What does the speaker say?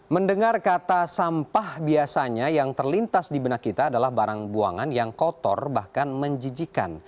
mendengar kata sampah biasanya yang terlintas di benak kita adalah barang buangan yang kotor bahkan menjijikan